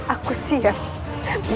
aku siap menjelaskan